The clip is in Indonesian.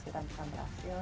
kita bisa berhasil